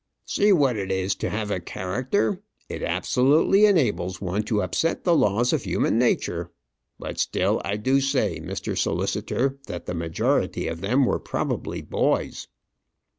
"See what it is to have a character. It absolutely enables one to upset the laws of human nature. But still I do say, Mr. Solicitor, that the majority of them were probably boys."